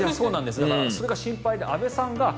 それが心配で安部さん